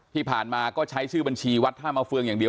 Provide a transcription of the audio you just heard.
ที่ผ่านมาก็ใช้ชื่อบัญชีวัดท่ามาเฟืองอย่างเดียว